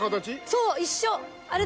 そう一緒！